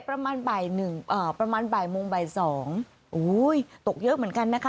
ประมาณบ่ายหนึ่งอ่าประมาณบ่ายโมงบ่ายสองโอ้ยตกเยอะเหมือนกันนะคะ